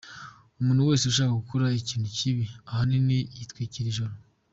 Umuntu wese ushaka gukora ikintu kibi ahanini yitwikira ijoro.